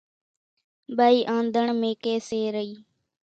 ٻائِي آنڌڻ ميڪيَ سي رئِي۔